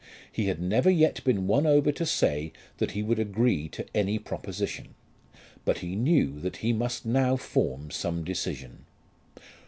He had never yet been won over to say that he would agree to any proposition, but he knew that he must now form some decision.